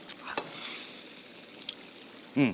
うん。